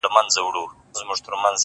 • شپه چي تياره سي ـرڼا خوره سي ـ